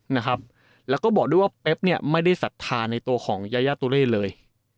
นะครับแล้วก็บอกด้วยว่าเป๊บเนี่ยไม่ได้ศรัทธาในตัวของยายาตุเร่เลย